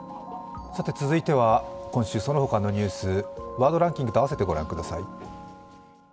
続いては、今週そのほかのニュース、ワードランキングと合わせて御覧ください。